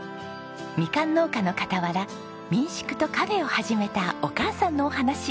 みかん農家の傍ら民宿とカフェを始めたお母さんのお話。